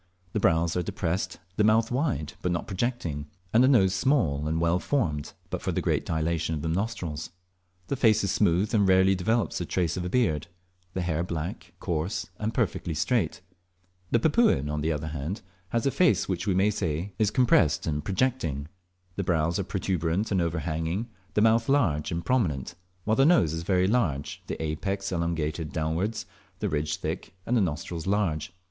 The brows are depressed, the mouth wide, but not projecting, and the nose small and well formed but for the great dilatation of the nostrils. The face is smooth, and rarely develops the trace of a beard; the hair black, coarse, and perfectly straight. The Papuan, on the other hand, has a face which we may say is compressed and projecting. The brows are protuberant and overhanging, the mouth large and prominent, while the nose is very large, the apex elongated downwards, the ridge thick, and the nostrils large.